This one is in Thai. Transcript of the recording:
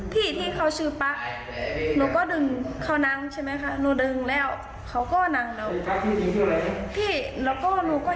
ที่เขาชื่อป๊ะหนูก็ดึงเขานั่งใช่ไหมคะหนูดึงแล้วเขาก็นั่งเรา